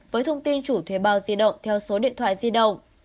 với thông tin chủ thuê bao di động theo số điện thoại di động